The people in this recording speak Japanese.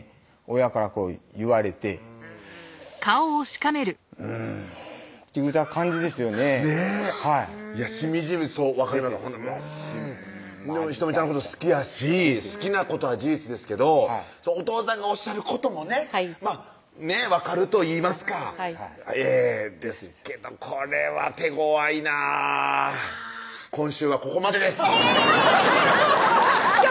親から言われてスーッうんといった感じですよねねぇしみじみ分かります「うん」でも仁美ちゃんのこと好きやし好きなことは事実ですけどお父さんがおっしゃることもね分かるといいますかはいですけどこれは手ごわいな今週はここまでですいや